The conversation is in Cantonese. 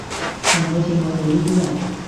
但好似我哋呢啲人